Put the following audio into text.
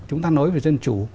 chúng ta nói về dân chủ